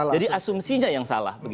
jadi asumsinya yang salah